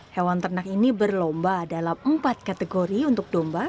hewan ternak ini berlomba dalam empat kategori untuk domba